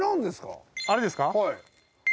あれですか？